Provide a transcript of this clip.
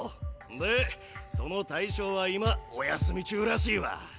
でその大将は今お休み中らしいわ。